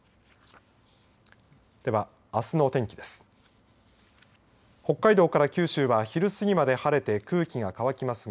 では、あすの天気です。